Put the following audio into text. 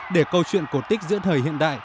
để câu chuyện cổ tích giữa thời hiện đại